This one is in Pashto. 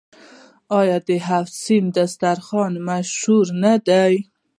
آیا د هفت سین دسترخان مشهور نه دی؟